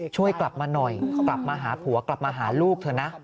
ช่วยกลับมาหน่อยกลับมาหาผัวกลับมาหาลูกเถอะนะ